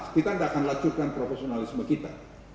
kita enggak akan lancurkan profesionalisme kita